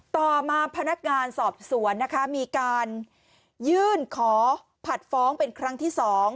ต่อมาพนักงานสอบสวนนะคะมีการยื่นขอผัดฟ้องเป็นครั้งที่๒